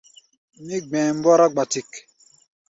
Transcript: Mí gbɛɛ mbɔ́rá gbatik.